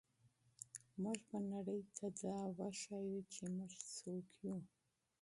موږ به نړۍ ته ثابته کړو چې موږ څوک یو.